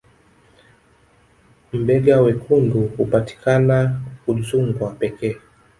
mbega wekundu hupatikana udzungwa pekee